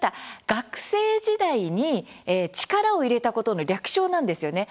学生時代に力を入れたことの略称なんですよね。